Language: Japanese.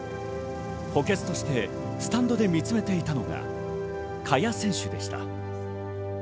補欠としてスタンドで見つめていたのが萱選手でした。